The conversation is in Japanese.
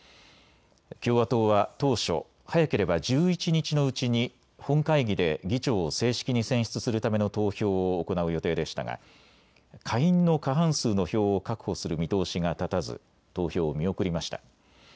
共和党は当初、早ければ１１日のうちに本会議で議長を正式に選出するための投票を行う予定でしたが下院の過半数の票を確保する見通しが立たず投票を見送りました。